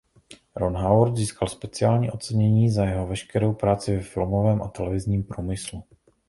Ron Howard získal speciální ocenění za jeho veškerou práci ve filmovém a televizním průmyslu.